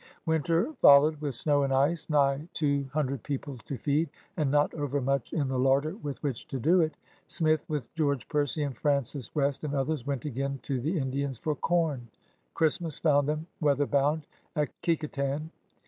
Winter followed with snow and ice, nigh two 56 PIONEERS OF THE OLD SOUTH hundred people to feed, and not overmuch in the larder with which to do it. Smith with George Percy and Francis West and others went again to the Indians for com. Christmas found them weather bound at Kecoughtan.